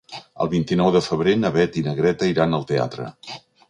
El vint-i-nou de febrer na Beth i na Greta iran al teatre.